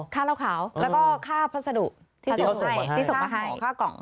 ค่าเหล้าขาวแล้วก็ค่าพัสดุที่ส่งมาให้ค่ากล่อง